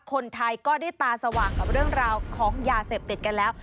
คนไทยก็ได้ตาสว่างกับเรื่องราวของยาเสพติดกันแล้ว